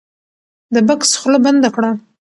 د بکس خوله بنده کړه.